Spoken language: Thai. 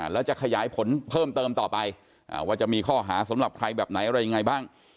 แล้วจะขยายผลเพิ่มเติมต่อไปว่าจะมีข้อหาสำหรับใครแบบไหนอะไรยังไงบ้าง